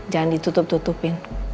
jangan ditutup tutupin